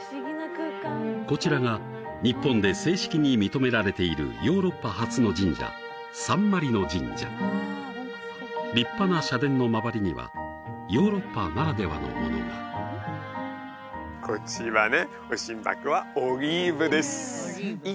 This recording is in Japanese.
こちらが日本で正式に認められているヨーロッパ初の神社サンマリノ神社立派な社殿の周りにはヨーロッパならではのものがこっちはね